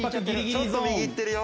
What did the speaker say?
ちょっと右いってるよ。